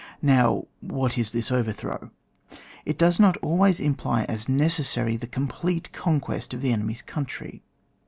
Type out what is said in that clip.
Now, what is this overthrow P It doee not always imply as necessary the com plete conquest of the enemy^s oountzy.